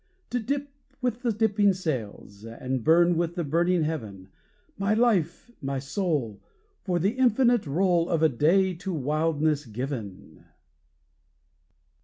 To dip with the dipping sails, And burn with the burning heaven My life! my soul! for the infinite roll Of a day to wildness given!